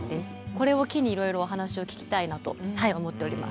これを機にいろいろ、お話を聞きたいなと思っております。